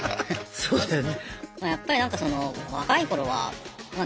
そうですね。